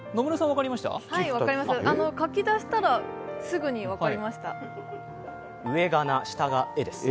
分かります、書きだしたら、すぐに分かりました。